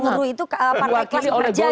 buruh itu partai kelas pekerja gitu